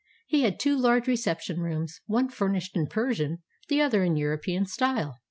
He had two large reception rooms, one furnished in Persian, the other in European style.